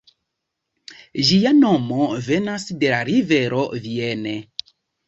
Ĝia nomo venas de la rivero Vienne.